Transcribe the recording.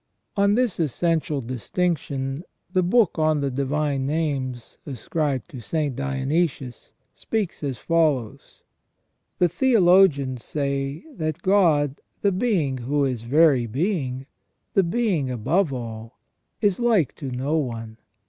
On this essential distinction the Book on the Divine Names ascribed to St. Dionysius speaks as follows :" The theologians say, that God, the Being who is very being, the Being above all, is like to no one.